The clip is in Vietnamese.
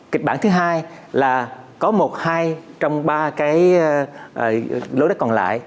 kịch bản thứ hai là có một hai trong ba cái lối đất còn lại